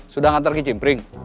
sudah ngantar ke cimpring